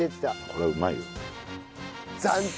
これはうまいよ。